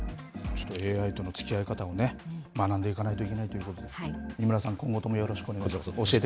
ＡＩとのつきあい方も学んでいかないといけないということで、井村さん、今後ともよろしくお願いします。